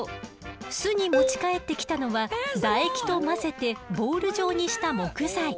巣に持ち帰ってきたのは唾液と混ぜてボール状にした木材。